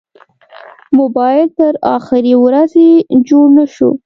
موبایل تر اخرې ورځې جوړ نه شو.